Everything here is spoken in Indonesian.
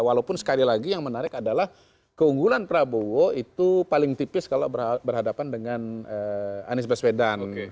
walaupun sekali lagi yang menarik adalah keunggulan prabowo itu paling tipis kalau berhadapan dengan anies baswedan